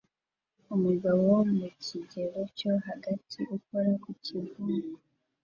umugabo wo mu kigero cyo hagati ukora ku kivuko